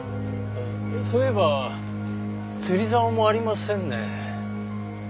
そういえば釣り竿もありませんね。